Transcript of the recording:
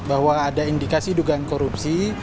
bahwa ada indikasi dugaan korupsi